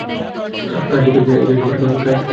কাজ করতে দাও।